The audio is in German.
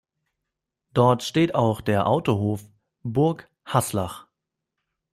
Dort steht auch der Autohof Burghaslach.